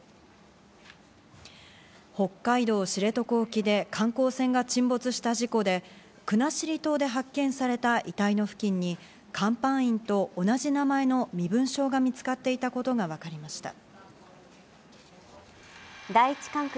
北海道・知床沖で観光船が沈没した事故で、国後島で発見された遺体の付近に甲板員と同じ名前の身分証が見つかっていたことがわかりました。